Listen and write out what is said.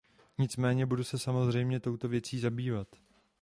Nicméně budu se samozřejmě touto věcí zabývat.